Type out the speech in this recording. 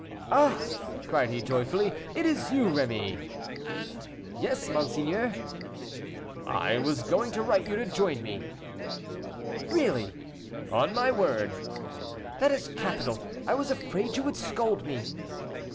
"Ah," cried he joyfully, "it is you, Rémy." "Yes monsieur." "I was going to write to you to join me." "Really!" "On my word." "That is capital; I was afraid you would scold me."